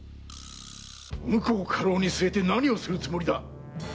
婿を家老に据えて何をするつもりだ？